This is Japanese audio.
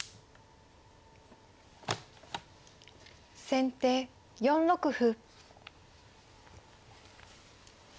先手４六歩。